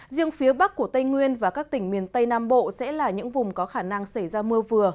riêng phía bắc của tây nguyên và các tỉnh miền tây nam bộ sẽ là những vùng có khả năng xảy ra mưa vừa